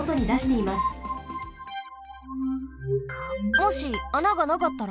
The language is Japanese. もし穴がなかったら？